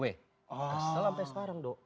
kesel sampai sekarang dok